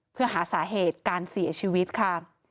เพื่อหาสาเหตุการเสียชีวิตค่ะ